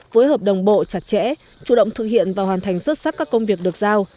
phối hợp đồng bộ chặt chẽ chủ động thực hiện và hoàn thành xuất sắc các công việc được giao